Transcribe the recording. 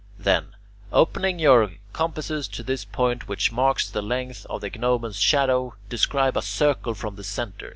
Then, opening your compasses to this point which marks the length of the gnomon's shadow, describe a circle from the centre.